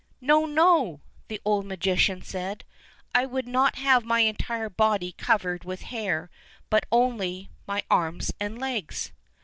"No, no," the old magician said, "I would not have my entire body covered with hair, but only my arms and legs."